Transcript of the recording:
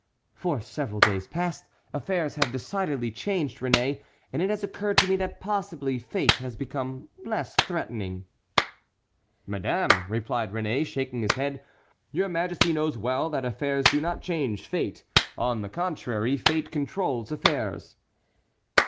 For several days past, affairs have decidedly changed, Réné, and it has occurred to me that possibly fate has become less threatening." "Madame," replied Réné, shaking his head, "your majesty knows well that affairs do not change fate; on the contrary, fate controls affairs."